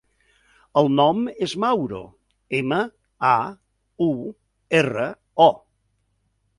El nom és Mauro: ema, a, u, erra, o.